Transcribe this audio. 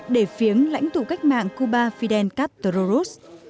để phiếng lãnh tụ cách mạng cuba fidel castro ruz